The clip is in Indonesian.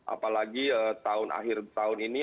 apalagi tahun akhir tahun ini